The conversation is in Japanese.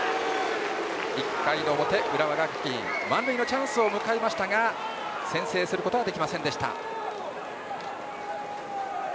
１回の表、浦和学院満塁のチャンスを迎えましたが先制することはできませんでした。